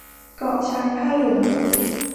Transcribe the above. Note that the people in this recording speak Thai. เกาะชายผ้าเหลือง